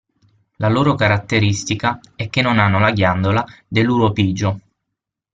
La loro caratteristica è che non hanno la ghiandola dell'uropigio.